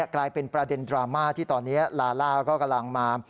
กลายเป็นประเด็นดราม่าที่ตอนนี้ลาล่าก็กำลังมา